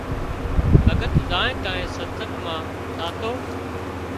ڀڳت زانئين تانئين ستسنگ مان زاتو